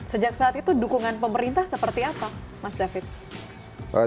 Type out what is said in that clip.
sejak saat itu dukungan pemerintah seperti apa mas david